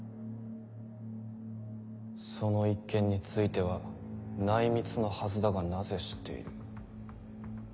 その一件については内密のはずだがなぜ知っている？